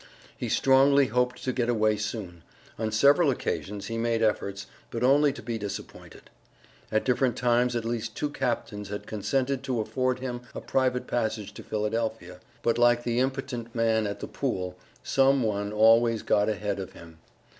He strongly hoped to get away soon; on several occasions he made efforts, but only to be disappointed. At different times at least two captains had consented to afford him a private passage to Philadelphia, but like the impotent man at the pool, some one always got ahead of him.